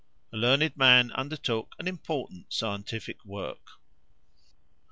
A learned man undertook an important scientific work.